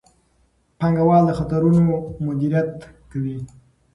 پانګوال د خطرونو مدیریت کوي.